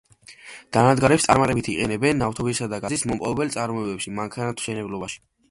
დანადგარებს წარმატებით იყენებენ ნავთობისა და გაზის მომპოვებელ წარმოებაში, მანქანათმშენებლობაში.